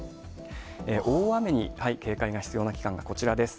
大雨に警戒が必要な期間がこちらです。